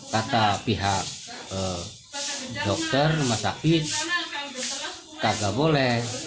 kata pihak dokter masakit kagak boleh